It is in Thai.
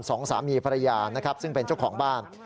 สองสามีภรรยานะครับซึ่งเป็นเจ้าของบ้าน